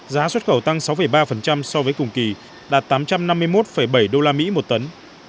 giá xuất khẩu tăng sáu ba so với cùng kỳ đạt tám trăm năm mươi một bảy usd một tấn